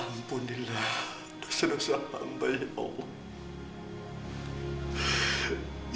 ampunilah dosa dosa hamba ya allah